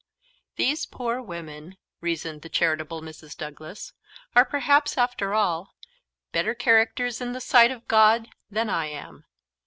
"These poor women," reasoned the charitable Mrs. Douglas, "are perhaps, after all, better characters in the sight of God than I am.